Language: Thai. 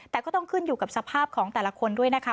แต่ก็ต้องขึ้นอยู่กับสภาพของแต่ละคนด้วยนะคะ